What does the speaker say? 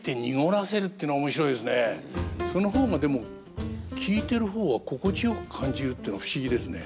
その方がでも聞いてる方は心地よく感じるってのは不思議ですね。